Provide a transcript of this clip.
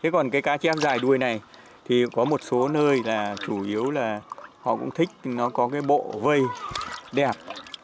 còn cái cá trém dài đuôi này thì có một số nơi là chủ yếu là họ cũng thích nó có cái bộ vây đẹp